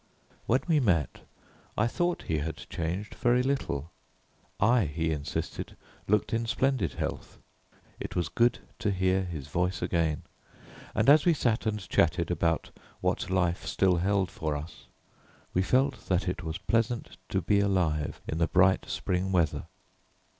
When we met I thought he had changed very little; I, he insisted, looked in splendid health. It was good to hear his voice again, and as we sat and chatted about what life still held for us, we felt that it was pleasant to be alive in the bright spring weather.